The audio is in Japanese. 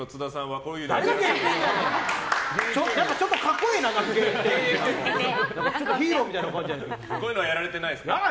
こういうのはやられてないですか。